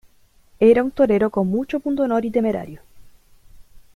Era un torero con mucho pundonor y temerario.